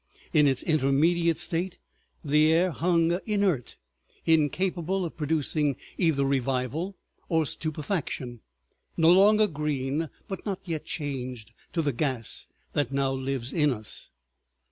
In its intermediate state the air hung inert, incapable of producing either revival or stupefaction, no longer green, but not yet changed to the gas that now lives in us.